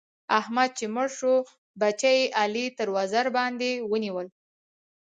احمد چې مړ شو؛ بچي يې علي تر وزر باندې ونيول.